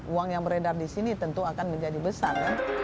uang yang beredar di sini tentu akan menjadi besar